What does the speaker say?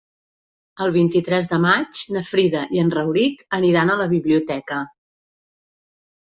El vint-i-tres de maig na Frida i en Rauric aniran a la biblioteca.